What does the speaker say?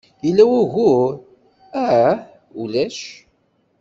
Yella wugur? Ah? Ulac.